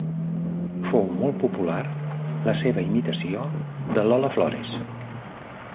Fou molt popular la seva imitació de Lola Flores.